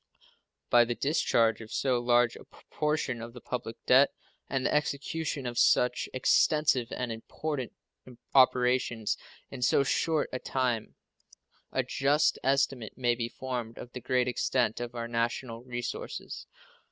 By the discharge of so large a proportion of the public debt and the execution of such extensive and important operations in so short a time a just estimate may be formed of the great extent of our national resources.